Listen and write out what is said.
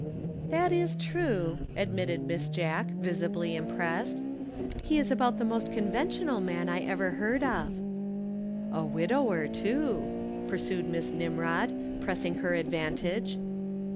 "That is true," admitted Miss Jack, visibly impressed. "He is about the most conventional man I ever heard of." "A widower, too," pursued Miss Nimrod, pressing her advantage.